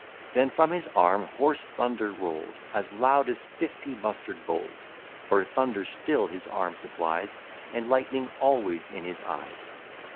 Then from his arm hoarse thunder rolls, As loud as fifty mustard bowls; For thunder still his arm supplies, And lightning always in his eyes.